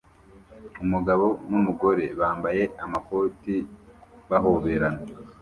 Umugabo numugore bambaye amakoti bahoberana